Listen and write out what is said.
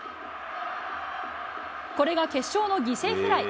これが決勝の犠牲フライ。